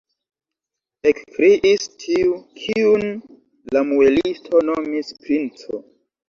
ekkriis tiu, kiun la muelisto nomis princo.